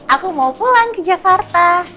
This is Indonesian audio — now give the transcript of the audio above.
aku mau pulang ke jakarta